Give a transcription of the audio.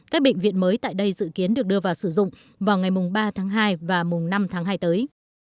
các bệnh viện mới tại đây dự kiến được đưa vào sử dụng vào ngày ba tháng hai và mùng năm tháng hai tới